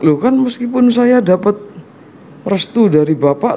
loh kan meskipun saya dapat restu dari bapak